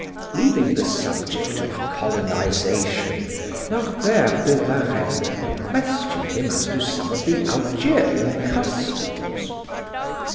Leaving the subject of colonization, Norbert de Varenne questioned him as to some of the Algerian customs.